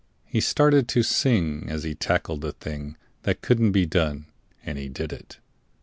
He started to sing as he tackled the thing That couldn't be done, and he did it.